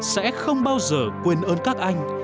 sẽ không bao giờ quên ơn các anh